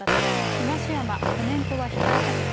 東山、コメントは控えさせて。